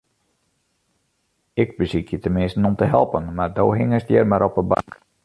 Ik besykje teminsten om te helpen, mar do hingest hjir mar op 'e bank.